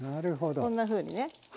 こんなふうにね。